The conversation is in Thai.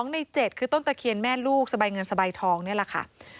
ใน๗คือต้นตะเคียนแม่ลูกสบายเงินสบายทองนี่แหละค่ะ